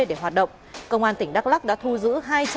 để hoạt động công an tỉnh đắk lắc đã thu giữ